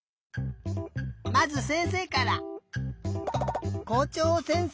まずせんせいから。